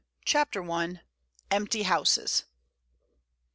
CHAPTER I. EMPTY HOUSES.